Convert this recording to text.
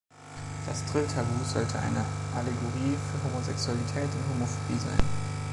Das Trill-Tabu sollte eine Allegorie für Homosexualität und Homophobie sein.